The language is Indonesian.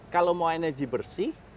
kalau mau energi bersih